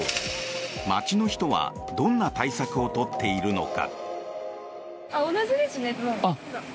街の人はどんな対策を取っているのか。